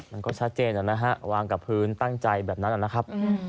มันก็ชัดเจนนะฮะวางกับพื้นตั้งใจแบบนั้นนะครับ